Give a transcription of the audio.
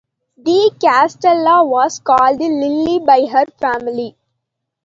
De Castella was called Lilly by her family.